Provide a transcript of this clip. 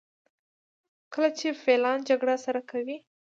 کله چې فیلان جګړه سره کوي.